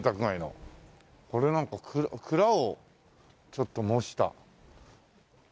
これなんか蔵をちょっと模した。